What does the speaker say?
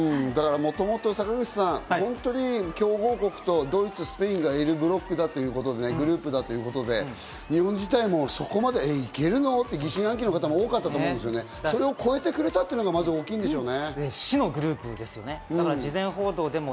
坂口さん、強豪国のドイツ、スペインがいるブロックだということで、グループだということで、日本自体もそこまで行けるの？って疑心暗鬼の方も多かったと思う、それを超えてくれたことがまず大きいでしょうね。